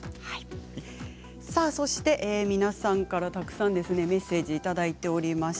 そして、皆さんからたくさんメッセージがきております。